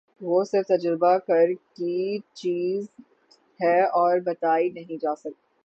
وہ صرف تجربہ کر کی چیز ہے اور بتائی نہیں جاسک